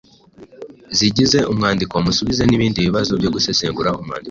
zigize umwandiko, musubize n’ibindi bibazo byo gusesengura umwandiko